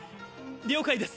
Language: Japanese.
了解です！